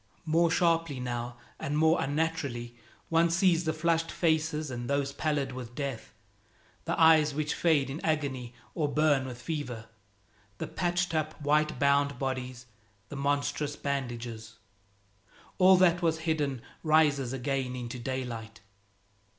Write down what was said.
More sharply now, and more unnaturally, one sees the flushed faces and those pallid with death, the eyes which fade in agony or burn with fever, the patched up white bound bodies, the monstrous bandages. All that was hidden rises again into daylight.